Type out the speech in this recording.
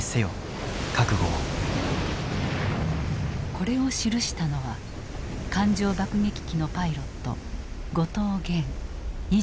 これを記したのは艦上爆撃機のパイロット後藤元２１歳。